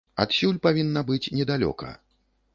Адсюль павінна быць недалёка.